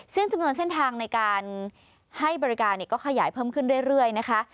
ซึ่งจำนวนเส้นทางในการให้บริการก็ขยายเพิ่มขึ้นเรื่อยนะคะ